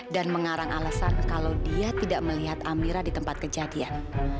dan mengarang alasan kalau dia tidak melihat amira di tempat kejadian